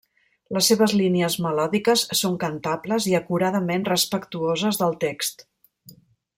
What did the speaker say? Les seves línies melòdiques són cantables i acuradament respectuoses del text.